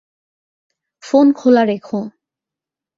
Phone খোলা রেখো।